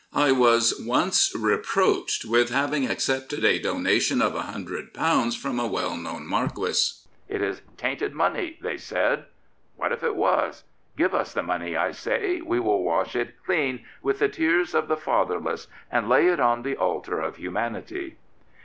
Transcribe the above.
" I was once reproached with having accepted a donation of £100 from a well known Marquis. ' It is tainted money,' they said. What if it was? Give us the money, I say; we will wash it clean with the tears of the fatherless and lay it on the altar of humanity."